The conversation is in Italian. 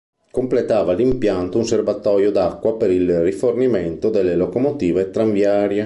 Completava l'impianto un serbatoio d'acqua per il rifornimento delle locomotive tranviarie.